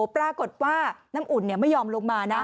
ปรากฏว่าน้ำอุ่นไม่ยอมลงมานะ